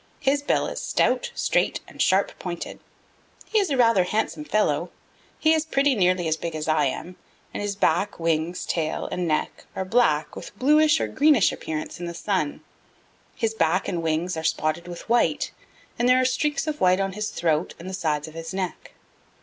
His bill is stout, straight and sharp pointed. He is rather a handsome fellow. He is pretty nearly as big as I am, and his back, wings, tail and neck are black with bluish or greenish appearance in the sun. His back and wings are spotted with white, and there are streaks of white on his throat and the sides of his neck.